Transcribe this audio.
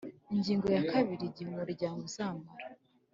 Ingingo ya kabiri Igihe umuryango uzamara